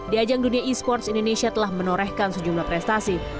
di ajang dunia esports indonesia telah menorehkan sejumlah prestasi